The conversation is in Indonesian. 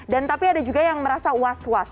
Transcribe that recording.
dan tapi ada juga yang merasa was was